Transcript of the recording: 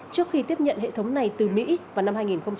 trước khi tiếp nhận hệ thống này từ mỹ vào năm hai nghìn hai mươi năm